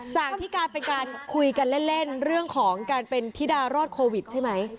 จากที่การเป็นการคุยกันเล่นเรื่องของการเป็นธิดารอดโควิดใช่ไหม